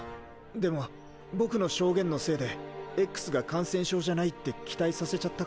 でも僕の証言のせいで“Ｘ”が感染症じゃないって期待させちゃったから。